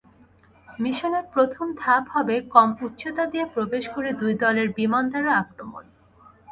মিশনের প্রথম ধাপ হবে কম উচ্চতা দিয়ে প্রবেশ করে দুই দলের বিমান দ্বারা আক্রমণ।